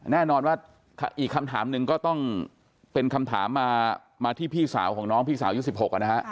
แน่นอนว่าอีกคำถามหนึ่งก็ต้องเป็นคำถามมาที่พี่สาวของน้องพี่สาวยุค๑๖นะฮะ